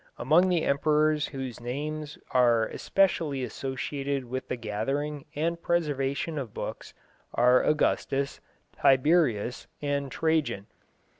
Among the emperors whose names are especially associated with the gathering and preservation of books are Augustus, Tiberius and Trajan.